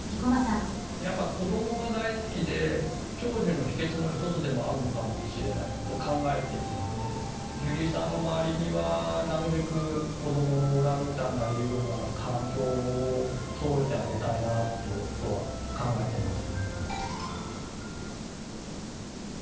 やっぱり子供が大好きで長寿の秘けつの一つでもあるのかもしれないと考えているのでジュリーさんの周りにはなるべく子供のオランウータンがいるような環境をそろえてあげたいなっていうことは考えています。